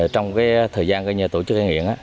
trong thời gian tổ chức cai nghiện